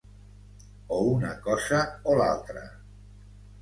O una cosa o l’altra.